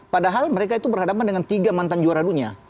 padahal mereka itu berhadapan dengan tiga mantan juara dunia